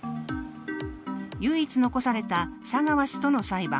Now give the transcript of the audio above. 唯一残された佐川氏との裁判。